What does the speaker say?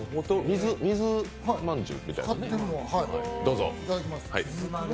水まんじゅうみたいな。